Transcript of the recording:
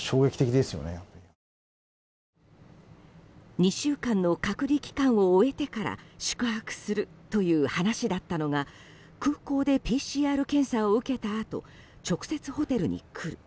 ２週間の隔離期間を終えてから宿泊するという話だったのが空港でＰＣＲ検査を受けたあと直接、ホテルに行く。